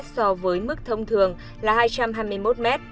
so với mức thông thường là hai trăm hai mươi một m